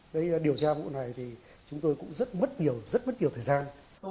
đấy điều tra vụ này thì chúng tôi cũng rất mất nhiều rất mất nhiều thời gian